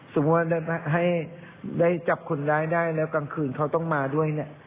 สมมุติให้ได้จับคนได้แล้วกลางคืนเขาต้องมาด้วย